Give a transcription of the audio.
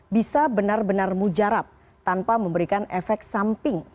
bisa benar benar mujarab tanpa memberikan efek samping